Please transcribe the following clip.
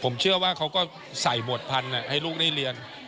ผมเชื่อว่าเขาก็ใส่หมวดพันธุ์ให้ลูกได้เรียน